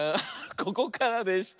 ここからでした。